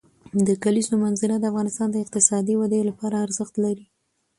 د کلیزو منظره د افغانستان د اقتصادي ودې لپاره ارزښت لري.